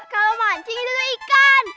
kalau mancing itu ikan